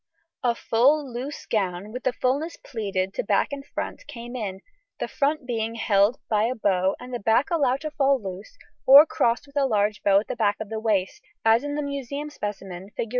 A full, loose gown, with the fullness pleated to back and front, came in, the front being held by a bow and the back allowed to fall loose or crossed with a large bow at the back of waist, as in the museum specimen, Fig.